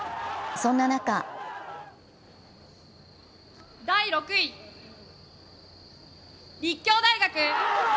そんな中第６位、立教大学。